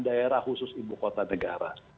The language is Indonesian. daerah khusus ibu kota negara